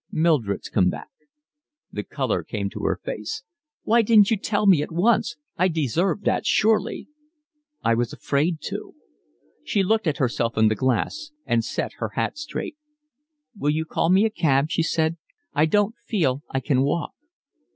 Mildred's come back." The colour came to her face. "Why didn't you tell me at once? I deserved that surely." "I was afraid to." She looked at herself in the glass and set her hat straight. "Will you call me a cab," she said. "I don't feel I can walk."